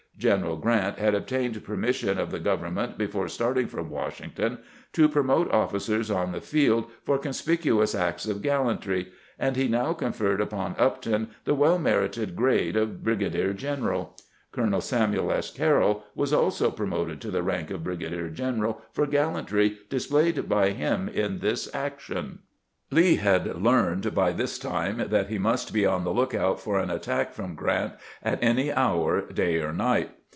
General Grant had obtained per mission of the government before starting from Wash ington to promote officers on the field for conspicuous acts of gallantry, and he now conferred upon Upton the well merited grade of brigadier general. Colonel Samuel S. Carroll was also promoted to the rank of brigadier general for gallantry displayed by him in this action. Lee had learned.by this time that he must be on the lookout for an attack from Grant at any hour, day or night.